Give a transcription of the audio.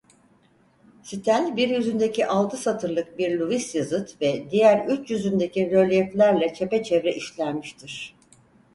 Stel bir yüzündeki altı satırlık bir Luvice yazıt ve diğer üç yüzündeki rölyeflerle çepeçevre işlenmiştir.